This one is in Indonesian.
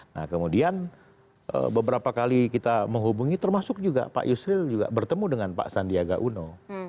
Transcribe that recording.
nah kemudian beberapa kali kita menghubungi termasuk juga pak yusril juga bertemu dengan pak sandiaga uno